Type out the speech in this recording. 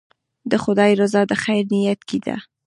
د خدای رضا د خیر نیت کې ده.